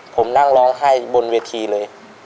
ผมนั่งร้องไห้บนเวทีเลย